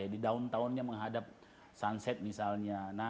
di daun tahunnya menghadap sunset misalnya